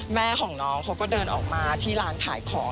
แม่ของน้องเขาก็เดินออกมาที่ร้านขายของ